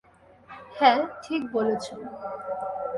হ্যাঁ, ঠিক বলেছো।